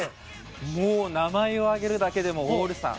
もう名前を挙げるだけでもオールスター。